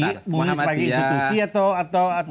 itu bicara mui sebagai institusi atau personal